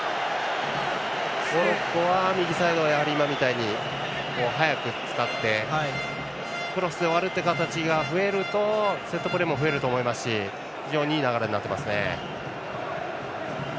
モロッコは右サイドは今みたいに早く使ってクロスで終わるという形が増えるとセットプレーも増えると思いますし非常にいい流れになってますね。